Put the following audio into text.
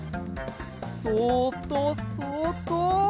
そっとそっと。